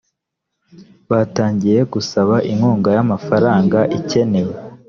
batangiye gusaba inkunga y’amafaranga ikenewe